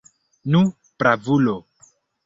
Nu, bravulo!